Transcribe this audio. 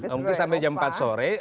mungkin sampai jam empat sore